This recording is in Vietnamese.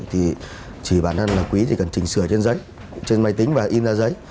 thì chỉ bản thân là quý thì cần chỉnh sửa trên giấy trên máy tính và in ra giấy